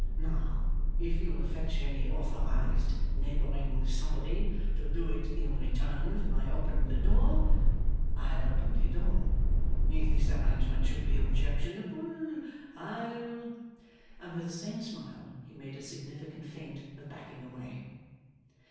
Now, if you will fetch any authorised neighbouring somebody to do it in return for my opening the door, I'll open the door. If this arrangement should be objectionable, I'll ' and with the same smile he made a significant feint of backing away.